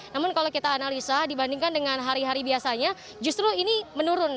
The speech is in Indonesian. namun kalau kita analisa dibandingkan dengan hari hari biasanya justru ini menurun